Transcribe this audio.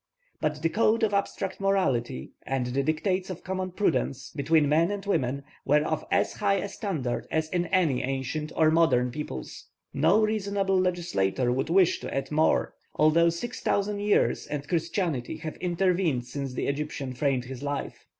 But the code of abstract morality, and the dictates of common prudence, between men and women, were of as high a standard as in any ancient or modern peoples. No reasonable legislator would wish to add more, although six thousand years and Christianity have intervened since the Egyptian framed his life.